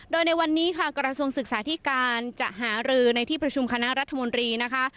โดยในวันนี้ค่ะกระทรวงศึกษาธิการจะหารือในที่ประชุมคณะรัฐมนตรีนะคะ